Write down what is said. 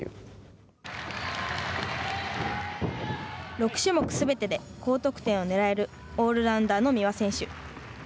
６種目すべてで高得点をねらえるオールラウンダーの三輪選手。